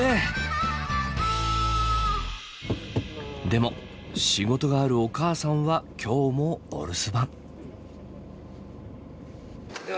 でも仕事があるお母さんは今日もお留守番。